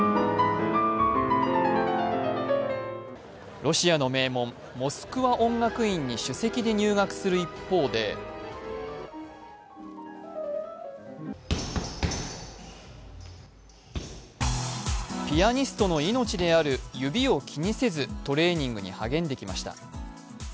ロシアの名門、モスクワ音楽学院に首席で入学する一方でピアニストの命である指を気にせずトレーニングに励んできました。